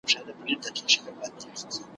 کله چي مي په ابتدائيه مکتب کي درس وايه